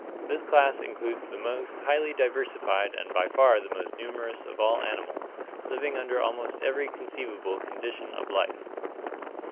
This class includes the most highly diversified and by far the most numerous of all animals, living under almost every con ceivable condition of life.